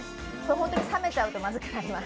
ホントに冷めちゃうとまずくなります。